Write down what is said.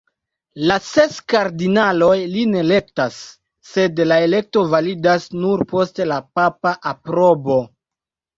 La ses kardinaloj lin elektas, sed la elekto validas nur post la papa aprobo.